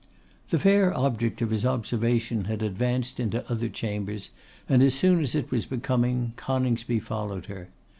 The fair object of his observation had advanced into other chambers, and as soon as it was becoming, Coningsby followed her.